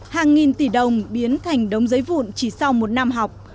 hàng nghìn tỷ đồng biến thành đống giấy vụn chỉ sau một năm học